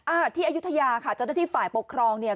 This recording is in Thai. อ่าที่อายุทยาค่ะเจ้าหน้าที่ฝ่ายปกครองเนี่ย